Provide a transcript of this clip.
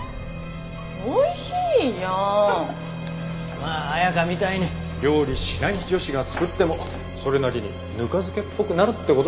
まあ彩花みたいに料理しない女子が作ってもそれなりにぬか漬けっぽくなるって事だな。